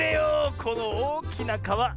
このおおきなかわ！